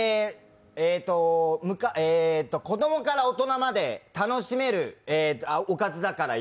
子供から大人まで楽しめるおかずだからよ。